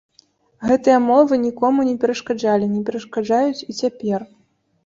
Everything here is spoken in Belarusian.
Гэтыя мовы нікому не перашкаджалі, не перашкаджаюць і цяпер.